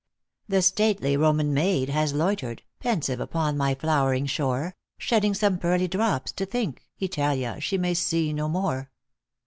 The stately Roman maid has loitered, Pensive, upon my flowering shore, Shedding some pearly drops to think, Italia she may see no more.